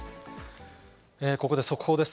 ここで速報です。